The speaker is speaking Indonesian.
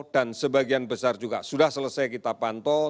dan sebagian besar juga sudah selesai kita pantau